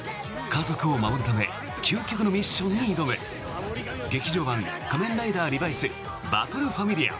家族を守るため究極のミッションに挑む「劇場版仮面ライダーリバイスバトルファミリア」。